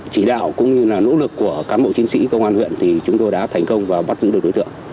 chỉ đạo cũng như là nỗ lực của cán bộ chiến sĩ công an huyện thì chúng tôi đã thành công và bắt giữ được đối tượng